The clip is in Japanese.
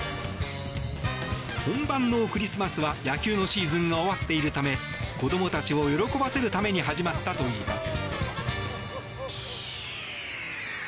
本番のクリスマスは野球のシーズンが終わっているため子どもたちを喜ばせるために始まったといいます。